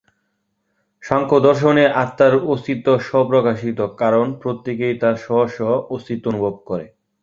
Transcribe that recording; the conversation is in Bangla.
সাংখ্যদর্শনে আত্মার অস্তিত্ব স্ব-প্রকাশিত, কারণ প্রত্যেকেই তার স্ব-স্ব অস্তিত্ব অনুভব করে।